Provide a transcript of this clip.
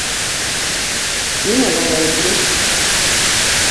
Нимә Вәләүетдин!